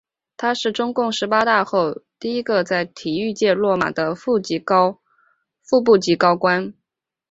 他是中共十八大后第一个在体育界落马的副部级高官。